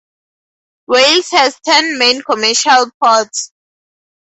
Wales has ten main commercial ports.